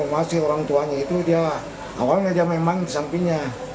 masih orang tuanya itu dia awalnya dia memang di sampingnya